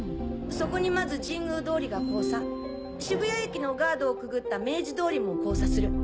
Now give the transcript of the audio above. そこにまず神宮通りが交差渋谷駅のガードをくぐった明治通りも交差する。